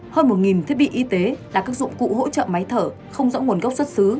hơn một thiết bị y tế là các dụng cụ hỗ trợ máy thở không rõ nguồn gốc xuất xứ